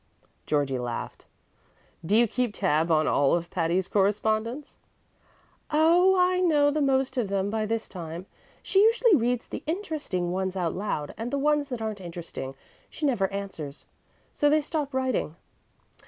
Georgie laughed. "Do you keep tab on all of Patty's correspondents?" "Oh, I know the most of them by this time. She usually reads the interesting ones out loud, and the ones that aren't interesting she never answers, so they stop writing.